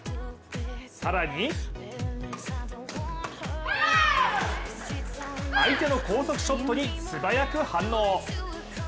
更に相手の高速ショットに素早く反応。